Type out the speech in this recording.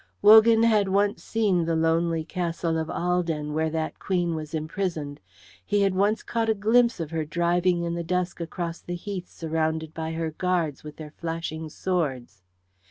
Wogan had once seen the lonely castle of Ahlden where that queen was imprisoned; he had once caught a glimpse of her driving in the dusk across the heath surrounded by her guards with their flashing swords.